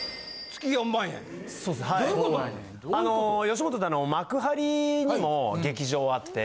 吉本って幕張にも劇場あって。